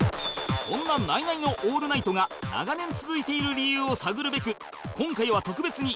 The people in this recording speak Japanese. そんなナイナイの『オールナイト』が長年続いている理由を探るべく今回は特別に関係者に話を聞く事ができた